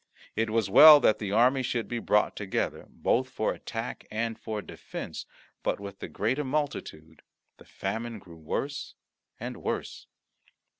It was well that the army should be brought together, both for attack and for defence, but with the greater multitude the famine grew worse and worse.